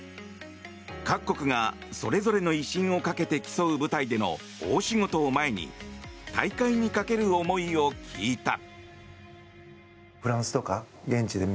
各国がそれぞれの威信をかけて競う舞台での大仕事を前に大会にかける思いを聞いた。